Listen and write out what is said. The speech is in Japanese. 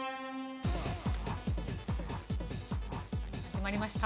始まりました。